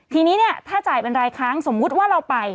ทีนี้เนี่ยถ้าจ่ายเป็นรายค้างสมมุติว่าเราไป